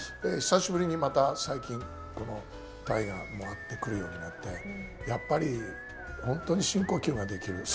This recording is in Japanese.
久しぶりに、また最近大河もあってくるようになってやっぱり本当に深呼吸ができる。